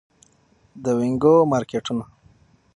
د وینګو مارکیټونه